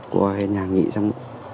qua cái nhà nghỉ xong